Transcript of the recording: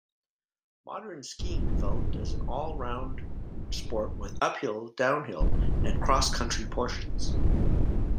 Modern skiing developed as an all-round sport with uphill, downhill and cross-country portions.